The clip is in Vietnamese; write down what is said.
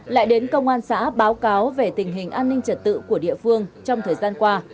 lại đến công an xã báo cáo về tình hình an ninh trật tự của địa phương trong thời gian qua